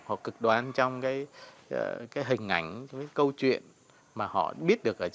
họ cực đoan trong cái hình ảnh cái câu chuyện mà họ biết được ở trên báo chí